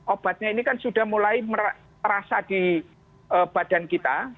obatnya ini kan sudah mulai terasa di badan kita